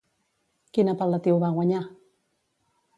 Quin apel·latiu va guanyar?